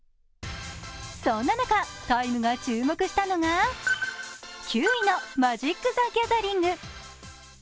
そんな中、「ＴＩＭＥ」が注目したのが９位のマジック：ザ・ギャザリング。